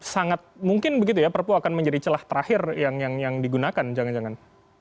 sangat mungkin begitu ya perpu akan menjadi celah terakhir yang digunakan jangan jangan